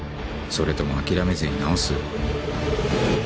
それとも諦めずに直す？